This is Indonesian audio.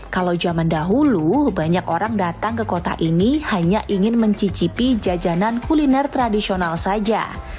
kalau zaman dahulu banyak orang datang ke kota ini hanya ingin mencicipi jajanan kuliner tradisional saja